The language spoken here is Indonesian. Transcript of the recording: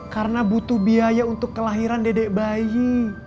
karena butuh biaya untuk kelahiran dedek bayi